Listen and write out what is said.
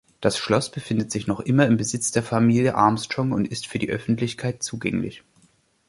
Das Schloss befindet sich noch immer im Besitz der Familie Armstrong und ist für die Öffentlichkeit zugänglich.